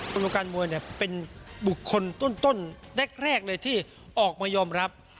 วงการมวยเนี่ยเป็นบุคคลต้นแรกเลยที่ออกมายอมรับ